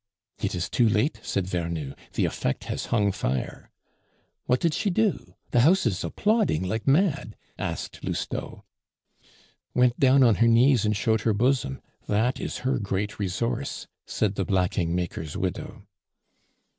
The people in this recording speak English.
"It is too late," said Vernou, "the effect has hung fire." "What did she do? the house is applauding like mad," asked Lousteau. "Went down on her knees and showed her bosom; that is her great resource," said the blacking maker's widow.